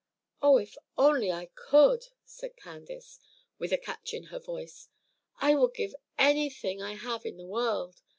"Oh, if I only could," said Candace, with a catch in her voice, "I would give anything I have in the world!